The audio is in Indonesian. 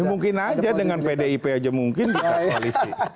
ya mungkin aja dengan pdip aja mungkin di koalisi